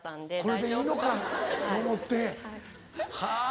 これでいいのかと思ってはぁ。